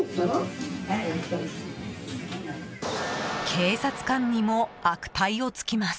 警察官にも悪態をつきます。